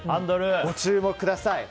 ご注目ください。